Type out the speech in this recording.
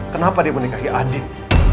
kenapa dia menikahi andin